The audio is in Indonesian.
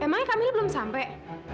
emangnya kamilah belum sampai